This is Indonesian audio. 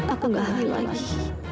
aku gak hari lagi